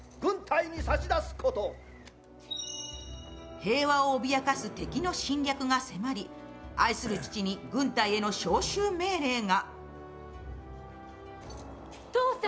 平和を脅かす敵の侵略が迫り愛する父に軍隊への招集命令が。